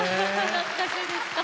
懐かしいです。